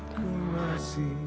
aku masih ada disini